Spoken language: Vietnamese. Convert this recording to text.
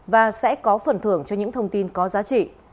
và sẽ có phần thưởng cho những thông tin có giá trị